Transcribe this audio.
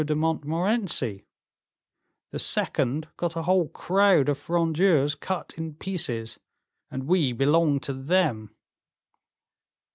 de Montmorency; the second got a whole crowd of Frondeurs cut in pieces, and we belonged to them."